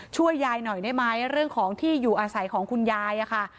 ช่วยยายหน่อยได้ไหมเรื่องของที่อยู่อาศัยของคุณยายอะค่ะ